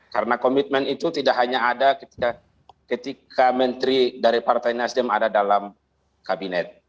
karena komitmen itu tidak hanya ada ketika menteri dari partai nasdem ada dalam kabinet